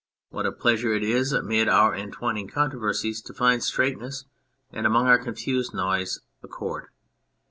What a pleasure it is amid our entwining controversies to find straightness, and among our confused noises a chord.